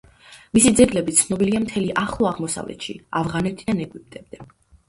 მისი ძეგლები ცნობილია მთელ ახლო აღმოსავლეთში ავღანეთიდან ეგვიპტემდე.